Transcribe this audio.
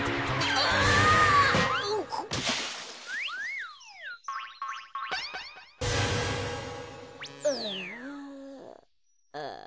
ああ。